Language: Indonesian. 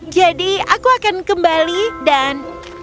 jadi aku akan kembali dan